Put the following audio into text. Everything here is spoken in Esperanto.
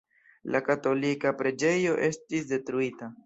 La katolika preĝejo estis detruita.